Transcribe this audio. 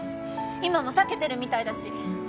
今も避けてるみたいだし。